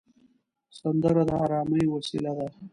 سندره د ارامۍ وسیله ده